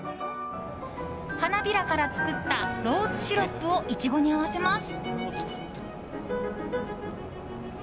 花びらから作ったローズシロップをイチゴに合わせます。